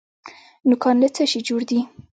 نوکان له څه شي جوړ دي؟